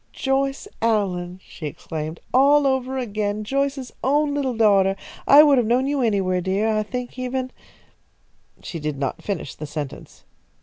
"Joyce Allen," she exclaimed, "all over again! Joyce's own little daughter! I would have known you anywhere, dear, I think, even " She did not finish the sentence.